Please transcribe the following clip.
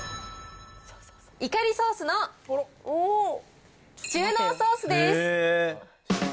イカリソースの中濃ソースです。